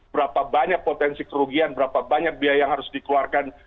berapa banyak potensi kerugian berapa banyak biaya yang harus dikeluarkan